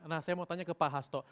nah saya mau tanya ke pak hasto